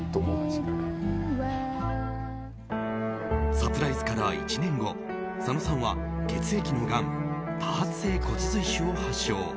サプライズから１年後佐野さんは血液のがん、多発性骨髄腫を発症。